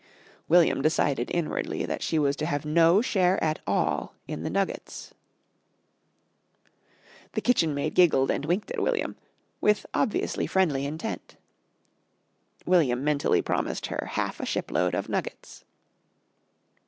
William decided inwardly that she was to have no share at all in the nuggets. The kitchen maid giggled and winked at William, with obviously friendly intent. William mentally promised her half a ship load of nuggets.